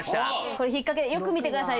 これ引っかけでよく見てください